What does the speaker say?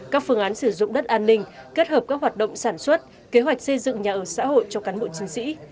các phương án sử dụng đất an ninh kết hợp các hoạt động sản xuất kế hoạch xây dựng nhà ở xã hội cho cán bộ chiến sĩ